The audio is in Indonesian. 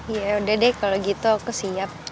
ya udah deh kalau gitu aku siap